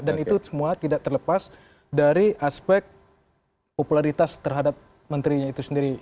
dan itu semua tidak terlepas dari aspek popularitas terhadap menterinya itu sendiri